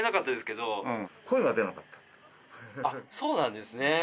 あっそうなんですね。